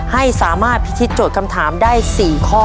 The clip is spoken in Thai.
ให้สามารถพิธีโจทย์คำถามได้๔ข้อ